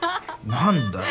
何だよ。